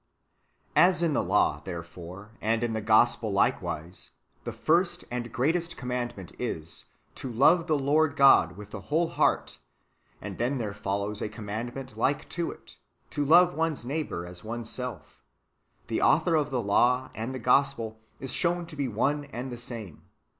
As in the law, therefore, and in the gospel [likewise], the first and greatest commandment is, to love the Lord God w^ith the whole heart, and then there follows a commandment like to it, to love one's neighbour as one's self ; the author of the law^ and the gospel is shown to be one and the same.